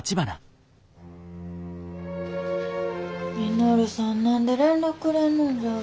稔さん何で連絡くれんのんじゃろ。